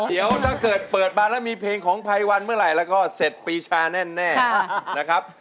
เดี๋ยวถ้าเกิดเปิดมาแล้วมีเพลงของภัยวันเมื่อไหร่แล้วก็เสร็จปีชาแน่นะครับ